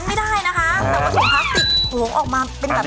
แต่ว่าถุงพลาสติกออกมาเป็นแบบนี้ได้เหรอ